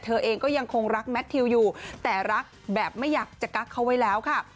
เธอเองก็ยังคงรักแมททิวอยู่แต่รักแบบไม่อยากจะกักเขาไว้แล้วค่ะ